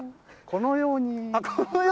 このように？